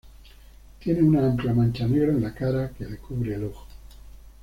Tiene una amplia mancha negra en la cara, que le cubre el ojo.